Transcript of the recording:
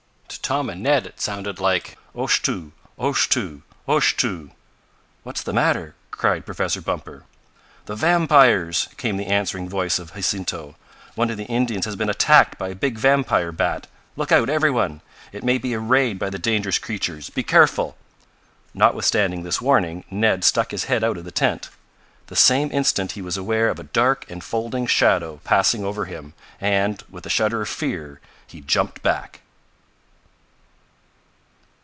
To Tom and Ned it sounded like: "Oshtoo! Oshtoo! Oshtoo!" "What's the matter?" cried Professor Bumper. "The vampires!" came the answering voice of Jacinto. "One of the Indians has been attacked by a big vampire bat! Look out, every one! It may be a raid by the dangerous creatures! Be careful!" Notwithstanding this warning Ned stuck his head out of the tent. The same instant he was aware of a dark enfolding shadow passing over him, and, with a shudder of fear, he jumped back.